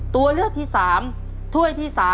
ตัวเลือกที่๓ถ้วยที่๓